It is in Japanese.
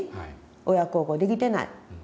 親孝行できてない。